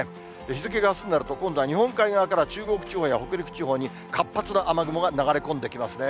日付があすになると、今度は日本海側から中国地方や北陸地方に活発な雨雲が流れ込んできますね。